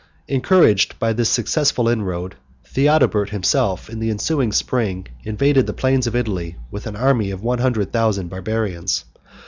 Encouraged by this successful inroad, Theodebert himself, in the ensuing spring, invaded the plains of Italy with an army of one hundred thousand Barbarians.